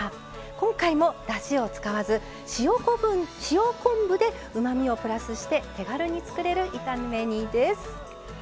今回もだしを使わず塩昆布でうまみをプラスして手軽に作れる炒め煮です。